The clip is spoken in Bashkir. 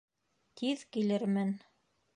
Тиҙ килермен.